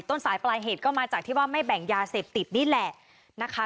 ต้นสายปลายเหตุก็มาจากที่ว่าไม่แบ่งยาเสพติดนี่แหละนะคะ